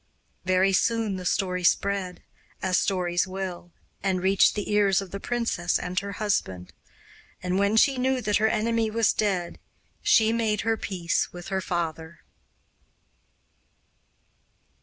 Very soon the story spread, as stories will, and reached the ears of the princess and her husband, and when she knew that her enemy was dead she made her peace with her father.